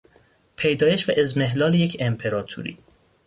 پیدایش و اضمحلال یک امپراطوری